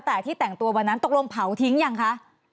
แต่ที่แต่งตัววันนั้นตกลงเผาทิ้งยังคะ